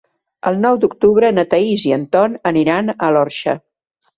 El nou d'octubre na Thaís i en Ton aniran a l'Orxa.